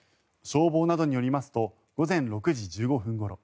消防などによりますと午前６時１５分ごろ